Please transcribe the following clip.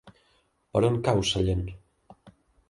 Per on cau Sellent?